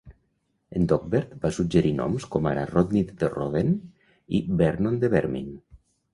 En Dogbert va suggerir noms com ara "Rodney the Rodent" i "Vernon the Vermin".